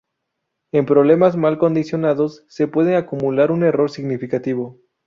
En problemas mal condicionados, se puede acumular un error significativo.